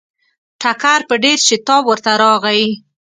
ټکر په ډېر شتاب ورته راغی.